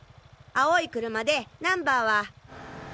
青い車でナンバーは。